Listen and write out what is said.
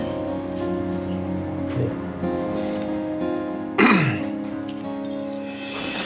gak mudah aja nino mau ya